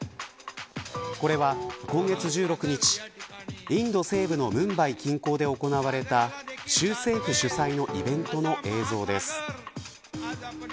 これは今月１６日インド西部のムンバイ近郊で行われた州政府主催のイベントの映像です。